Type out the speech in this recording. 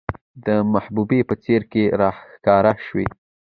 د محبوبې په څېره کې راښکاره شوې،